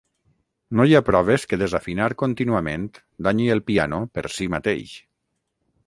No hi ha proves que desafinar contínuament danyi el piano per si mateix.